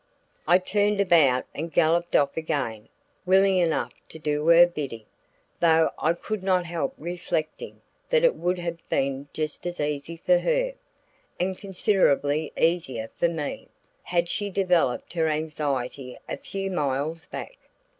I turned about and galloped off again, willing enough to do her bidding, though I could not help reflecting that it would have been just as easy for her, and considerably easier for me, had she developed her anxiety a few miles back.